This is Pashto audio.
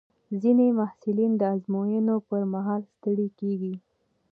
ځینې محصلین د ازموینو پر مهال ستړي کېږي.